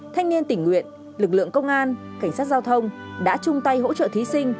thanh niên tỉnh nguyện lực lượng công an cảnh sát giao thông đã chung tay hỗ trợ thí sinh